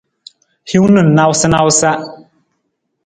Hiwung na nawusanawusa.